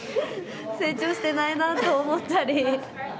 成長してないなと思ったり。